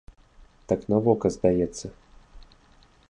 Так на вока здаецца.